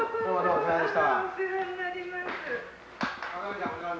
お世話になります。